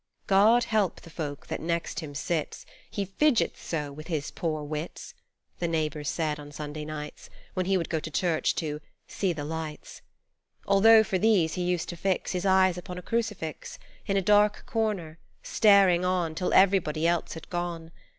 " God help the folk that next him sits He fidgets so, with his poor wits." The neighbours said on Sunday nights When he would go to Church to " see the lights !" Although for these he used .to fix His eyes upon a crucifix In a dark corner, staring on Till everybody else had gone.